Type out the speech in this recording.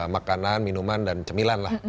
makanan minuman dan cemilan lah